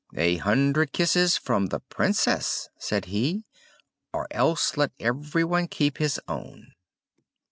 "A hundred kisses from the Princess," said he, "or else let everyone keep his own!"